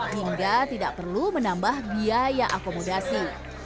hingga tidak perlu menambah biaya akomodasi